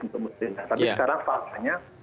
tapi sekarang fakta nya